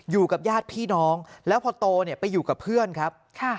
อยู่กับญาติพี่น้องแล้วพอโตเนี่ยไปอยู่กับเพื่อนครับ